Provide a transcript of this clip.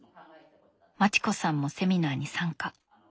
まちこさんもセミナーに参加。